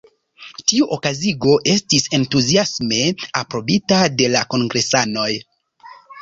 Tiu okazigo estis entuziasme aprobita de la kongresanoj.